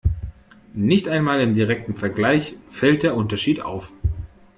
Nicht einmal im direkten Vergleich fällt der Unterschied auf.